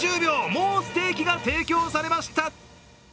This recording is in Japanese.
もうステーキが提供されました！